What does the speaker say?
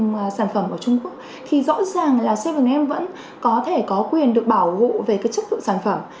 cung cấp sản phẩm ở trung quốc thì rõ ràng là bảy am vẫn có thể có quyền được bảo hộ về chất lượng sản phẩm